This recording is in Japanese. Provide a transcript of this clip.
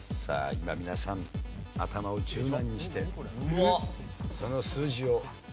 今皆さん頭を柔軟にしてその数字を。